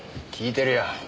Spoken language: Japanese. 聞いてるよ。